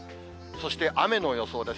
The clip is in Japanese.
そして、雨の予想です。